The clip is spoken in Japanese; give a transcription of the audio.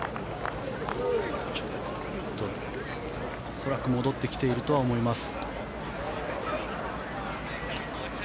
恐らく戻ってきているとは思います。